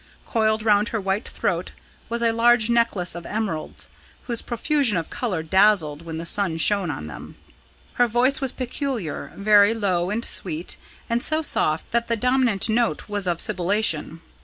Coiled round her white throat was a large necklace of emeralds, whose profusion of colour dazzled when the sun shone on them. Her voice was peculiar, very low and sweet, and so soft that the dominant note was of sibilation.